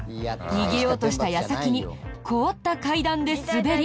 逃げようとした矢先に凍った階段で滑り。